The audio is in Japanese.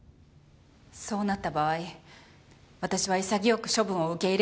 そうなった場合私は潔く処分を受け入れる覚悟です。